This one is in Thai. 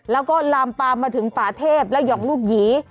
แล้วก็ลามปามมาถึงป่าเทพและห่องลูกหยี